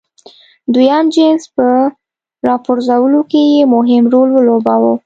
دویم جېمز په راپرځولو کې یې مهم رول ولوباوه.